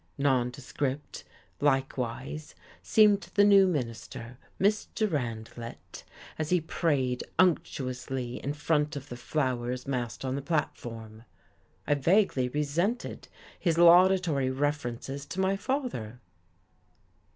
Nondescript, likewise, seemed the new minister, Mr. Randlett, as he prayed unctuously in front of the flowers massed on the platform. I vaguely resented his laudatory references to my father.